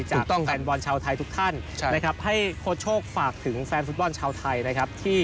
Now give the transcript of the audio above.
จากแฟนบอลชาวไทยทุกท่านให้โคตรโชคฝากถึงแฟนฟุตบอลชาวไทยนะครับ